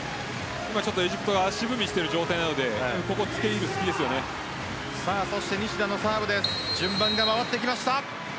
エジプトが足踏みしている状態なので西田のサーブで順番が回ってきました。